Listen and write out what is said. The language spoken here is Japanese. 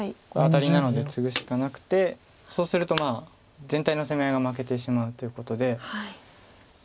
これアタリなのでツグしかなくてそうすると全体の攻め合いが負けてしまうということで。